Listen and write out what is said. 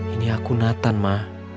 ini aku nathan ma